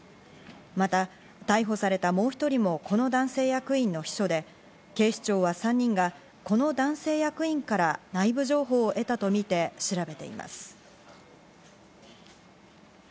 また、逮捕されたもう１人もこの男性役員の秘書で、警視庁は３人が、この男性役員から内部情報を得たとみて調べています。